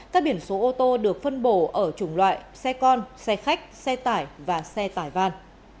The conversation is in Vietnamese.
các biển số ô tô được phân bổ ở chủng loại xe con xe khách xe tải và xe tải van